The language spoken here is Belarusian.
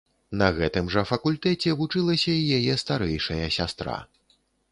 На гэтым жа факультэце вучылася і яе старэйшая сястра.